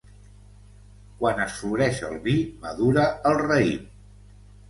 Quan es floreix el vi madura el raïm.